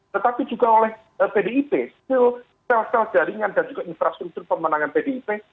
tetapi juga oleh pdip sel sel jaringan dan juga infrastruktur pemenangan pdip